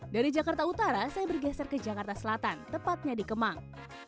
dari jakarta utara saya bergeser ke jakarta selatan tepatnya di kemang